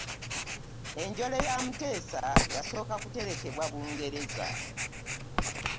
Enjole ya Muteesa yasooka kuterekebwa Bungereza.